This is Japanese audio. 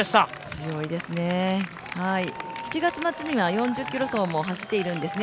強いですね、７月末には４０ｋｍ走も走っているんですね